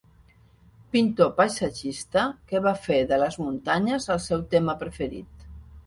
Pintor paisatgista que va fer de les muntanyes el seu tema preferit.